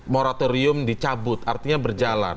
moratorium dicabut artinya berjalan